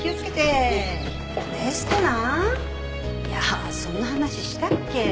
いやそんな話したっけ？